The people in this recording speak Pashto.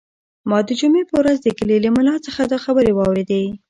ما د جمعې په ورځ د کلي له ملا څخه دا خبرې واورېدې.